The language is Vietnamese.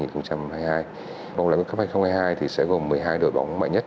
vòng loại world cup hai nghìn hai mươi hai thì sẽ gồm một mươi hai đội bóng mạnh nhất